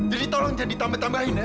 jadi tolong jangan ditambah tambahin ya